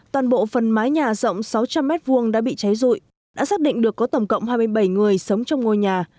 toàn bộ phần mái nhà rộng sáu trăm linh m hai đã bị cháy rụi đã xác định được có tổng cộng hai mươi bảy người sống trong ngôi nhà